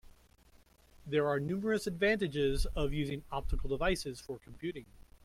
There are numerous advantages of using optical devices for computing.